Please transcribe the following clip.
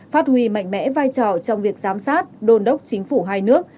phát huy mạnh mẽ vai trò trong việc giám sát đôn đốc chính phủ hai nước